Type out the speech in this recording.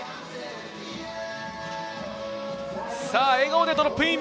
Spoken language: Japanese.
笑顔でドロップイン！